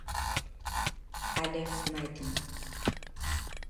الف مدی